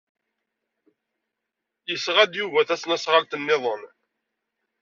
Yesɣa-d Yuba tasnasɣalt niḍen.